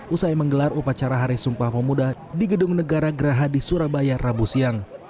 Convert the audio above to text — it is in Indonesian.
usai menggelar upacara hari sumpah pemuda di gedung negara geraha di surabaya rabu siang